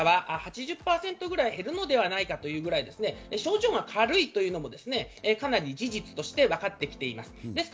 一方、重症者は８０％ぐらい減るのではないかというぐらい症状が軽いというのもかなり事実としてわかっています。